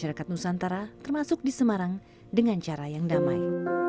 masyarakat nusantara termasuk di semarang dengan cara yang damai